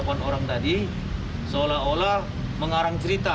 dan diangkat oleh orang tadi seolah olah mengarang cerita